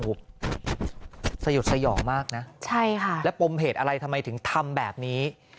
สยดสยองมากนะใช่ค่ะแล้วปมเหตุอะไรทำไมถึงทำแบบนี้